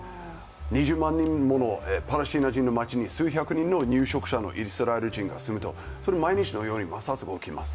２０万人ものパレスチナ人の街に数千人の入植者のイスラエル人が住むと、毎日のように抹殺が起きます。